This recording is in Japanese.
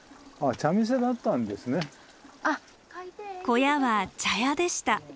小屋は茶屋でした。